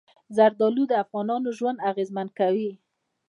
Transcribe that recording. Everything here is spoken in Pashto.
زردالو د افغانانو ژوند اغېزمن کوي.